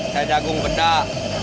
cah jagung bedah